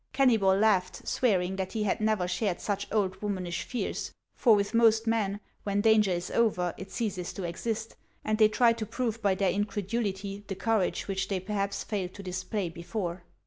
Kennybol laughed, swearing that he had never shared such old womanish fears ; for with most men, when dan ger is over it ceases to exist, and they try to prove by their incredulity the courage which they perhaps failed to display before.